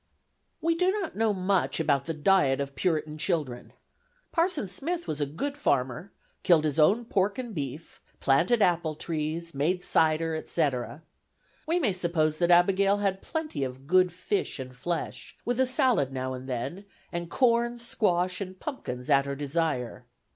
We do not know much about the diet of Puritan children. Parson Smith was a good farmer, killed his own pork and beef, planted apple trees, made cider, etc. We may suppose that Abigail had plenty of good fish and flesh, with a "sallet" now and then, and corn, squash, and pumpkins at her desire.